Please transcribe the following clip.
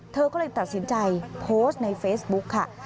เธอก็เลยตัดสินใจโพสต์ในเฟซบุ๊กค่ะ